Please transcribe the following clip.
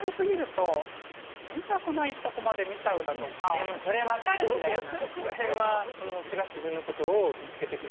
でもそれ分かるんだよな。